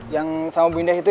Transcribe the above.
yang sama bu indah itu ya